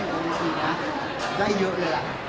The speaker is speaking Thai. เวลาของพี่พร้อม